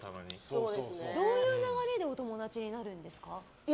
どういう流れでお友達になるんですか。